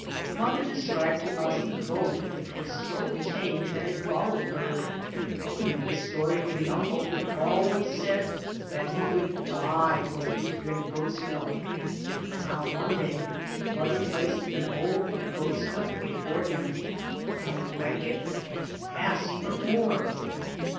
Mother described to us the goat which was so tame that it followed her; we knew the story of the uncle who always said that he would die were he to drink goat's milk, and how one day mother placed a bowl of goat's milk before him, and he drank it and asked for more.